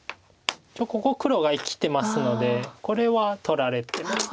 一応ここ黒が生きてますのでこれは取られてます。